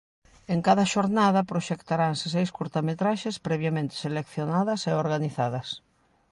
En cada xornada proxectaranse seis curtametraxes previamente seleccionadas e organizadas.